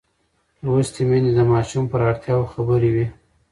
لوستې میندې د ماشوم پر اړتیاوو خبر وي.